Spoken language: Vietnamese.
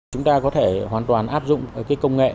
chúng ta có thể hoàn toàn áp dụng công nghệ